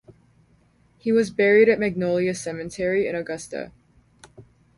He was buried at Magnolia Cemetery in Augusta.